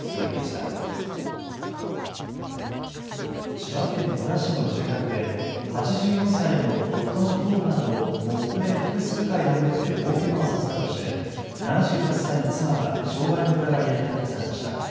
千葉県野田市の住宅で８４歳の夫の頭部などをモップで複数回殴って大けがをさせたとして７８歳の妻が傷害の疑いで逮捕されました。